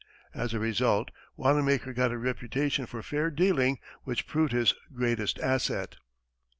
As a result, Wanamaker got a reputation for fair dealing which proved his greatest asset.